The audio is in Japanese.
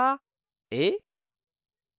えっ？